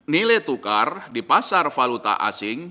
nilai tukar di pasar valuta asing